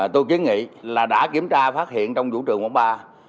tôi kiến nghĩ là đã kiểm tra phát hiện trong vụ trường quán bar